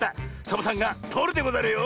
サボさんがとるでござるよ。